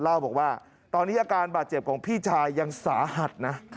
เล่าบอกว่าตอนนี้อาการบาดเจ็บของพี่ชายยังสาหัสนะ